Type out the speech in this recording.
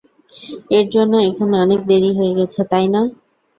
এর জন্য এখন অনেক দেরি হয়ে গেছে, তাই না?